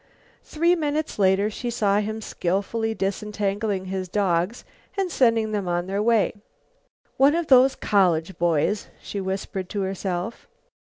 Three minutes later she saw him skillfully disentangling his dogs and sending them on their way: "One of those college boys," she whispered to herself.